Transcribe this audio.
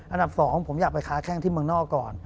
อันดับ๒ผมอยากไปค้าแข้งที่เมืองนอกก่อน